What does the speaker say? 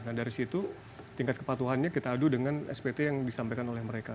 nah dari situ tingkat kepatuhannya kita adu dengan spt yang disampaikan oleh mereka